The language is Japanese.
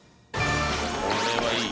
これはいい。